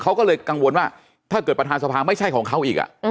เขาก็เลยกังวลว่าถ้าเกิดประธานสภาไม่ใช่ของเขาอีก